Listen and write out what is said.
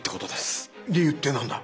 理由って何だ？